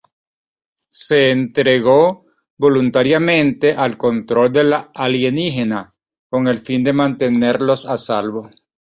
Se entregó voluntariamente al control del alienígena con el fin de mantenerlos a salvo.